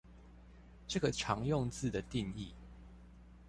這個常用字的定義